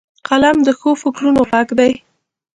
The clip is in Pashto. قلم د ښو فکرونو غږ دی